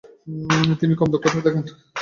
তিনি কম দক্ষতা দেখান।